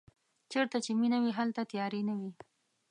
چېرته چې مینه وي هلته تیارې نه وي.